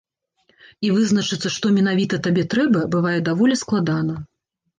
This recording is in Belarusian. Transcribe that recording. І вызначыцца, што менавіта табе трэба, бывае даволі складана.